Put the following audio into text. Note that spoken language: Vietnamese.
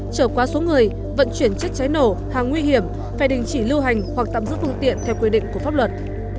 trở qua số người vận chuyển chất cháy nổ hàng nguy hiểm phải đình chỉ lưu hành hoặc tạm giữ phương tiện theo quy định của pháp luật